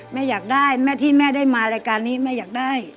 อยากได้แม่ที่แม่ได้มารายการนี้แม่อยากได้